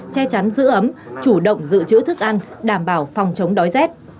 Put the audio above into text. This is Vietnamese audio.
che chắn giữ ấm chủ động giữ chữ thức ăn đảm bảo phòng chống đói rét